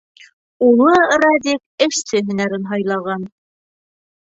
Улы Радик эшсе һөнәрен һайлаған.